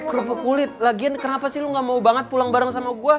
kerupuk kulit lagian kenapa sih lo gak mau banget pulang bareng sama gue